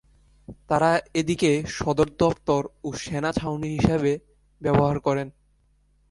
তারা এটিকে সদর দপ্তর ও সেনা-ছাঁউনি হিসাবে ব্যবহার করেন।